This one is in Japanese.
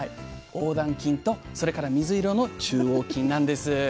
横断筋とそれから水色の中央筋なんです。